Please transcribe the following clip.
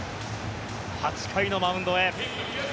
８回のマウンドへ。